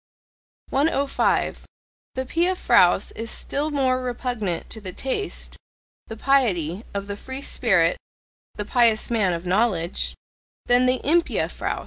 105. The pia fraus is still more repugnant to the taste (the "piety") of the free spirit (the "pious man of knowledge") than the impia fraus.